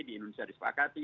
di indonesia disepakati